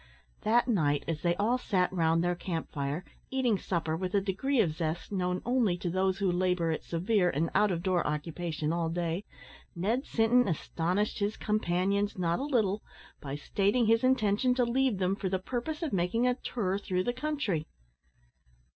That night, as they all sat round their camp fire, eating supper with a degree of zest known only to those who labour at severe and out of door occupation all day, Ned Sinton astonished his companions not a little, by stating his intention to leave them for the purpose of making a tour through the country.